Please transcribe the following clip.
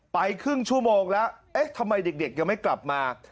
ครึ่งชั่วโมงแล้วเอ๊ะทำไมเด็กยังไม่กลับมา